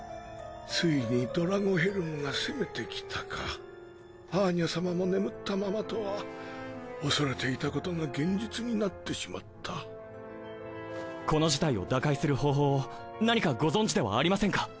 ついにドラゴヘルムが攻めてきたかアーニャ様も眠ったままとは恐れていたことが現実になってしまったこの事態を打開する方法を何かご存じではありませんか？